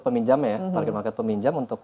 peminjam ya target market peminjam untuk